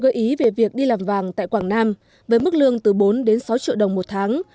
gợi ý về việc đi làm vàng tại quảng nam với mức lương từ bốn đến sáu triệu đồng một tháng